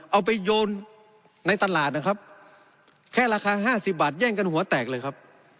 เอาไปโยนในตลาดนะครับแค่ราคาห้าสิบบาทแย่งกันหัวแตกเลยครับ